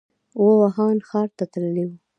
ووهان ښار ته تللی و.